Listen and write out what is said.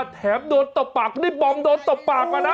แถมโดนตบปากนี่บอมโดนตบปากมานะ